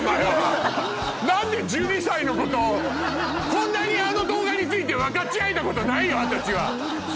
何で１２歳の子とこんなにあの動画について分かち合えたことないよ